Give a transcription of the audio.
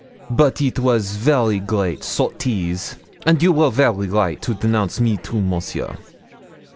But it was very great sottise, and you were very right to denounce me to Monsieur.